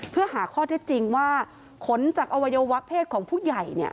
เพื่อหาข้อเท็จจริงว่าขนจากอวัยวะเพศของผู้ใหญ่เนี่ย